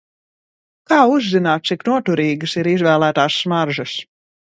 Kā uzzināt cik noturīgas ir izvēlētās smaržas?